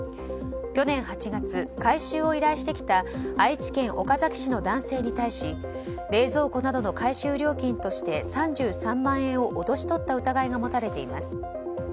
去年８月、回収を依頼してきた愛知県岡崎市の男性に対し冷蔵庫などの回収料金として３３万円を脅し取った疑いが持たれています。